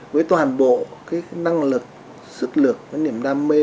với toàn bộ cái năng lực sức lực cái niềm đam mê